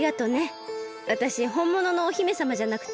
わたしほんもののお姫さまじゃなくてよかったよ。